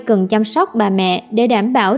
cần chăm sóc bà mẹ để đảm bảo